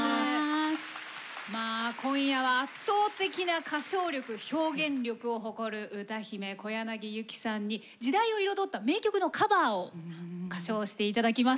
今夜は圧倒的な歌唱力・表現力を誇る歌姫小柳ゆきさんに時代を彩った名曲のカバーを歌唱して頂きます。